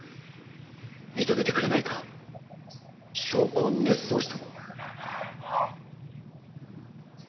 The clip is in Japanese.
認めてくれないか証拠を捏造したと。